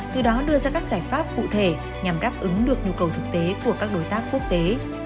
từ đó đưa ra các giải pháp cụ thể nhằm đáp ứng được nhu cầu thực tế của các đối tác quốc tế